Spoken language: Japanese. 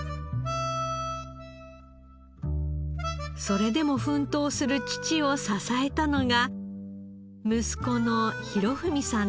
それでも奮闘する父を支えたのが息子の博史さんでした。